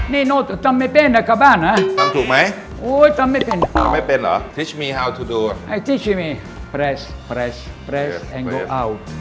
นี่โน้ตทำไม่เป็นกับบ้านอ่ะทำถูกไหมโอ้ยทำไม่เป็นทำไม่เป็นหรอ